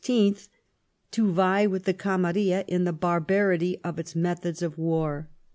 to vie with the Camarilla in the barbarity of its methods of war.